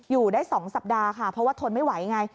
อยู่ได้๒สัปดาห์ค่ะเพราะว่าทนไม่ไหวไง